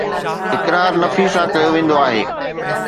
اقرار نفي سان ڪيو ويندو آهي